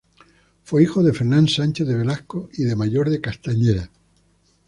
Fue hijo de Fernán Sánchez de Velasco y de Mayor de Castañeda.